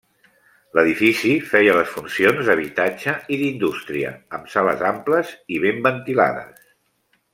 L'edifici feia les funcions d’habitatge i d’indústria, amb sales amples i ben ventilades.